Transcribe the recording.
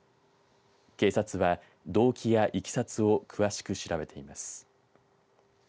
警察は動機やいきさつを詳しく調べています。